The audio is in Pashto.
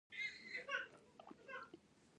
د دوست څخه ګيله کول نه دي په کار.